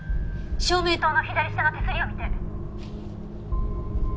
「照明塔の左下の手すりを見て」